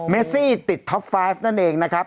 เมซี่ติดท็อปไฟฟ์นั่นเองนะครับ